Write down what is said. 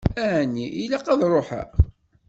Ɛni ilaq ad ṛuḥeɣ?